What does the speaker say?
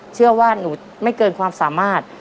เชื่อว่าหนูไม่เกินความสามารถ